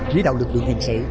trí đạo lực lượng hình sự